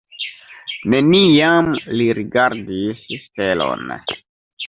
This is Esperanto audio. Neniam li rigardis stelon.